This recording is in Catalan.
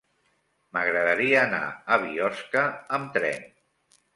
M'agradaria anar a Biosca amb tren.